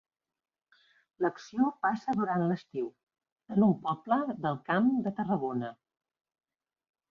L'acció passa durant l'estiu, en un poble del Camp de Tarragona.